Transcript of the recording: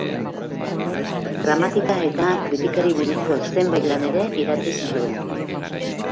Gramatika eta kritikari buruzko zenbait lan ere idatzi zituen.